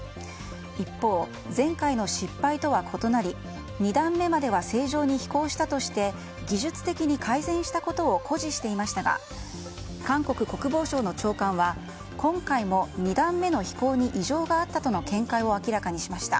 一方、前回の失敗とは異なり２段目までは正常に飛行したとして技術的に改善したことを誇示していましたが韓国国防省の長官は今回も２段目の飛行に異常があったとの見解を明らかにしました。